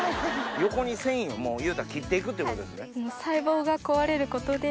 横に繊維をいうたら切って行くってことですね。